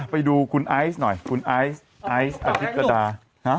ไปดูคุณไอร์สหน่อยคุณไอร์สไอร์สวัตรพลิกกระดาษหา